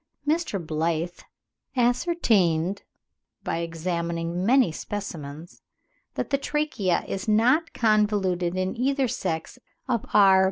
Mr. Blyth ascertained, by examining many specimens, that the trachea is not convoluted in either sex of R.